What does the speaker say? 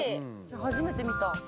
初めて見た。